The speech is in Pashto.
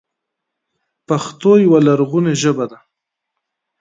پښتو یوه لرغونې ژبه ده.